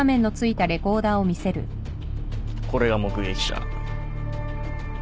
これが目撃者。